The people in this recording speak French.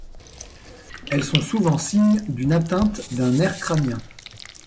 Elles sont souvent signes d'une atteinte d'un nerf crânien.